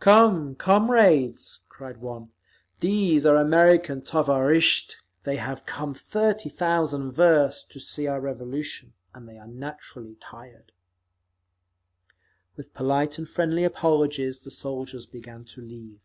"Come, comrades," cried one, "these are American tovarishtchi. They have come thirty thousand versts to see our Revolution, and they are naturally tired…." With polite and friendly apologies the soldiers began to leave.